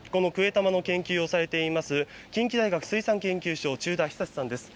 このクエタマの研究をされています、近畿大学水産研究所、中田久さんです。